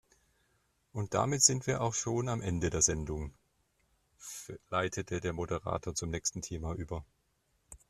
Und damit sind wir auch schon am Ende der Sendung, leitete der Moderator zum nächsten Thema über.